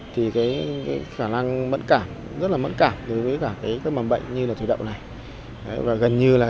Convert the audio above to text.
thì cái khả năng mẫn cảm rất là mẫn cảm đối với cả cái mầm bệnh như là thủy đậu này và gần như là